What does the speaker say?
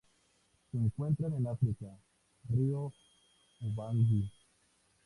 Se encuentran en África: río Ubangui.